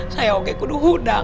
saya oke kudu hudang